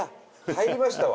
入りましたわ」